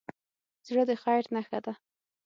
زړه د خیر نښه ده.